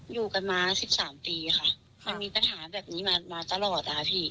อยู่กันมา๑๓ปีค่ะมันมีปัญหาแบบนี้ตลอด